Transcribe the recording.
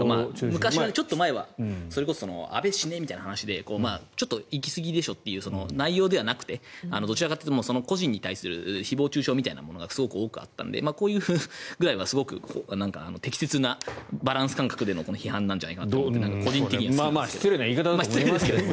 ちょっと前は安倍、死ねみたいな話でちょっと行きすぎでしょという内容ではなくてどちらかというとその個人に対する誹謗・中傷みたいなものが多くあったのでこういうぐらいはすごく適切なバランス感覚での批判なんじゃないかと個人的には好きなんですけど。